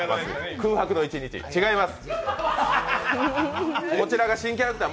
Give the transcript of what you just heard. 空白の一日、違います。